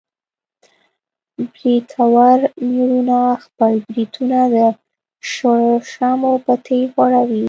برېتور مېړونه خپل برېتونه د شړشمو په تېل غوړوي.